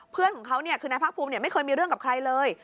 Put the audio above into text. เพื่อนของเขาคือนายภาคภูมิไม่เคยมีเรื่องกับใครเลย